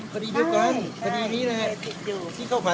อ๋อปีคันแรกหรอครับ